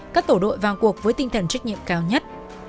các tổ đội vào cuộc với tinh thần trách nhiệm cao nhất